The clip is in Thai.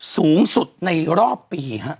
สูงสุดในรอบปีฮะ